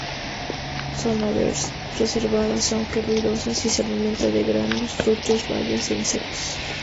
Son aves reservadas aunque ruidosas, y se alimenta de granos, frutos, bayas e insectos.